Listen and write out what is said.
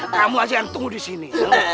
kamu aja yang tunggu disini